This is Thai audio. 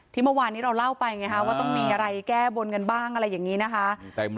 เมื่อวานนี้เราเล่าไปไงฮะว่าต้องมีอะไรแก้บนกันบ้างอะไรอย่างนี้นะคะ